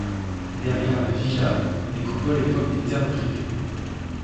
Derrière la villa, des coupoles évoquent des thermes privés.